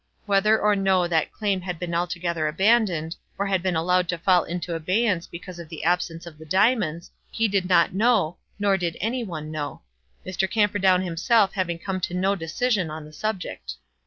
Whether or no that claim had been altogether abandoned, or had been allowed to fall into abeyance because of the absence of the diamonds, he did not know, nor did any one know, Mr. Camperdown himself having come to no decision on the subject.